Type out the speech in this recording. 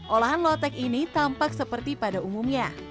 olahan lotek ini tampak seperti pada umumnya